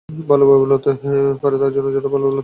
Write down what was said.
ভালোভাবে লড়তে পারে, তাদের জন্যে, যারা ভালো লড়তে পারে না।